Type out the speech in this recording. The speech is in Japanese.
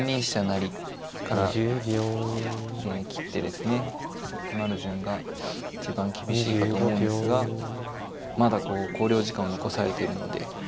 成から切ってですね迫る順が一番厳しいかと思うんですがまだこう考慮時間を残されているので。